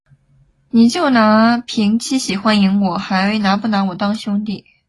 你就拿瓶七喜欢迎我，还拿不拿我当兄弟